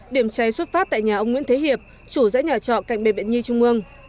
điểm cháy xuất phát tại nhà ông nguyễn thế hiệp chủ dãy nhà trọ cạnh bệnh viện nhi trung ương